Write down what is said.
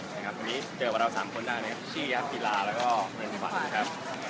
วันนี้เจอว่าเรา๓คนนะครับชี้ฮีลาแล้วก็นางสือพิมพ์นะครับ